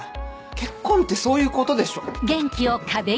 結婚ってそういうことでしょ